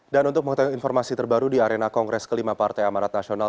dan untuk mengerti informasi terbaru di arena kongres kelima partai amarat nasional